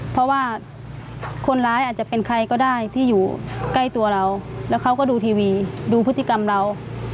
เพราะว่าคนร้ายอาจจะเป็นใครก็ได้ที่อยู่ใกล้ตัวเราแล้วเขาก็ดูทีวีดูพฤติกรรมเรา